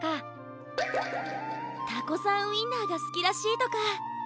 タコさんウインナーがすきらしいとか。